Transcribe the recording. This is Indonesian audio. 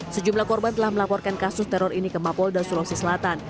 sejumlah korban telah melaporkan kasus teror ini ke mapolda sulawesi selatan